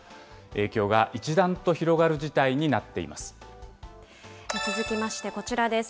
影響が一段と広がる事態になって続きまして、こちらです。